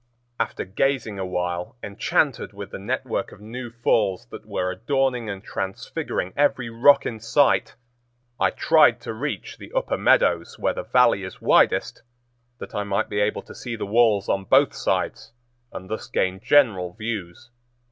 After gazing a while enchanted with the network of new falls that were adorning and transfiguring every rock in sight, I tried to reach the upper meadows, where the Valley is widest, that I might be able to see the walls on both sides, and thus gain general views.